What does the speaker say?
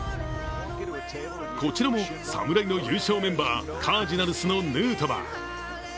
こちらも侍の優勝メンバーカージナルスのヌートバー。